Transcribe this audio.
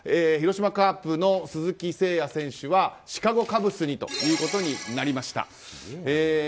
広島カープの鈴木誠也選手はシカゴ・カブスにということになりました。